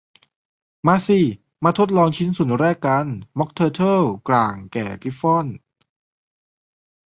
มาสิ มาทดลองชิ้นส่วนแรกกัน ม็อคเทอร์เทิลกล่างแก่กริฟฟอน